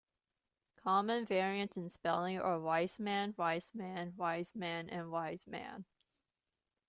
Common variants in spelling are Weismann, Weissman, Weisman, Waismann.